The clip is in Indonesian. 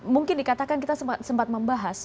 mungkin dikatakan kita sempat membahas